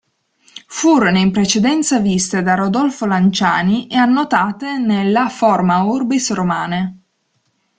Furono in precedenza viste da Rodolfo Lanciani e annotate nella "Forma Urbis Romae".